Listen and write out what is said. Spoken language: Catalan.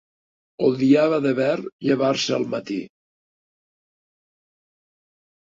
Odiava de ver llevar-se al matí.